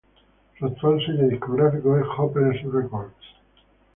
Su actual sello discográfico es Hopeless Records.